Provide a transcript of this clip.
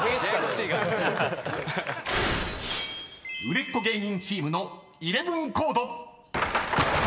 ［売れっ子芸人チームのイレブンコード］